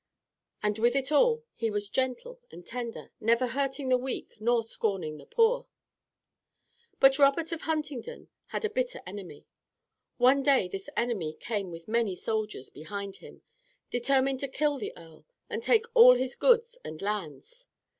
And with it all he was gentle and tender, never hurting the weak nor scorning the poor. But Robert of Huntingdon had a bitter enemy. One day this enemy came with many soldiers behind him, determined to kill the earl and take all his goods and lands.